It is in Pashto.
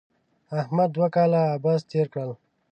احمد دوه کاله عبث تېر کړل.